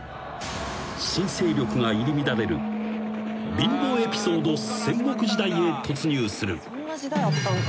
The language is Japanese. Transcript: ［新勢力が入り乱れる貧乏エピソード戦国時代へ突入する］